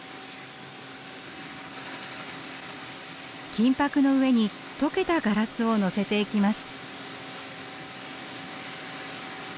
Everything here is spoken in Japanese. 金ぱくの上に溶けたガラスをのせていきます。